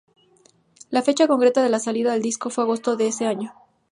La fecha concreta de la salida del disco fue agosto de ese año.